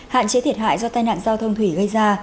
hạn chế thiệt hại do tai nạn giao thông thủy gây ra